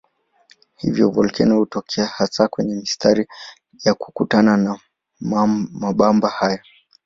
Hivyo volkeno hutokea hasa kwenye mistari ya kukutana kwa mabamba hayo.